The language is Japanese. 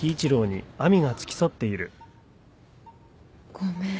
ごめん。